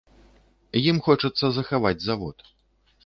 Ім хочацца захаваць завод.